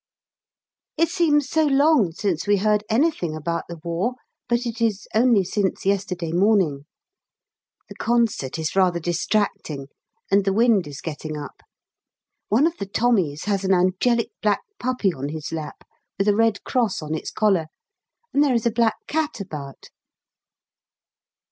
It seems so long since we heard anything about the war, but it is only since yesterday morning. (The concert is rather distracting, and the wind is getting up one of the Tommies has an angelic black puppy on his lap, with a red cross on its collar, and there is a black cat about.)